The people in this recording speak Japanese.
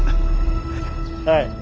はい。